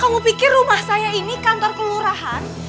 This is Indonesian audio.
aku pikir rumah saya ini kantor kelurahan